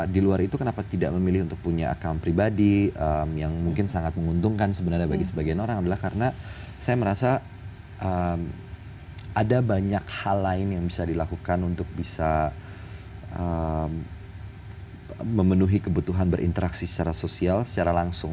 di luar itu kenapa tidak memilih untuk punya akun pribadi yang mungkin sangat menguntungkan sebenarnya bagi sebagian orang adalah karena saya merasa ada banyak hal lain yang bisa dilakukan untuk bisa memenuhi kebutuhan berinteraksi secara sosial secara langsung